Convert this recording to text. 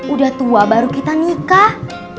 udah tua baru kita nikah